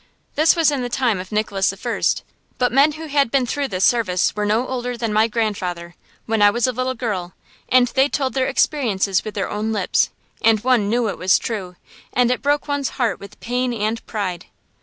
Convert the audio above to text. This was in the time of Nicholas I, but men who had been through this service were no older than my grandfather, when I was a little girl; and they told their experiences with their own lips, and one knew it was true, and it broke one's heart with pain and pride.